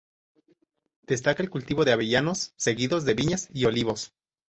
Destaca el cultivo de avellanos, seguidos de viñas y olivos.